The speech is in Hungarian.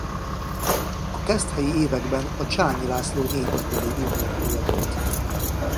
A keszthelyi években a Csányi László népi kollégium lakója volt.